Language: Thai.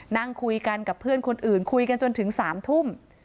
นั่งคุยกันกับเพื่อนคนอื่นคุยกันจนถึง๓ทุ่ม